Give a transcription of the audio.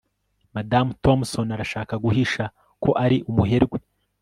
madamu thompson arashaka guhisha ko ari umuherwe